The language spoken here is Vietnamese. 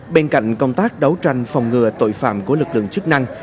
bên cạnh công tác đấu tranh phòng ngừa tội phạm của lực lượng chức năng